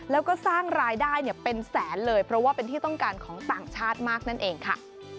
แล้วก็สร้างรายได้เป็นแสนเลยเพราะว่าเป็นที่ต้องการของต่างชาติมากนั่นเองค่ะ